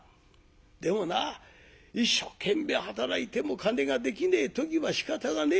でもな一生懸命働いても金ができねえ時はしかたがねえ。